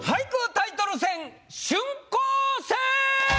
タイトル戦春光戦！